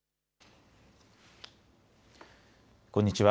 こんにちは。